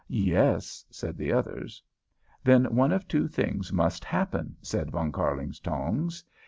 "Yes," said the others. "Then one of two things must happen," said Von Kärlingtongs.